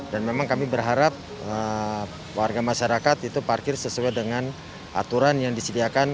dan memang kami berharap warga masyarakat itu parkir sesuai dengan aturan yang disediakan